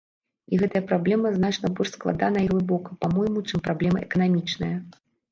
І гэтая праблема значна больш складаная і глыбокая, па-мойму, чым праблема эканамічная.